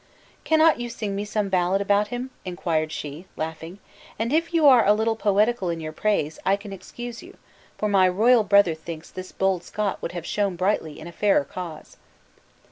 "Cannot you sing me some ballad about him?" inquired she, laughing; "and if you are a little poetical in your praise, I can excuse you; for my royal brother thinks this bold Scot would have shone brightly in a fairer cause."